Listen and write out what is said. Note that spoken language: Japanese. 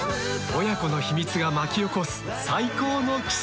親子の秘密が巻き起こす最高の奇跡。